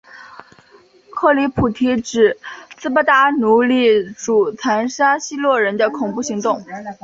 克里普提指斯巴达奴隶主残杀希洛人的恐怖行动。